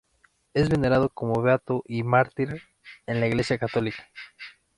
Es venerado como beato y mártir en la Iglesia católica.